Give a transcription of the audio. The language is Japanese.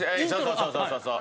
そうそうそうそう。